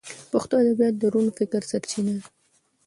پښتو ادبیات د روڼ فکر سرچینه ده.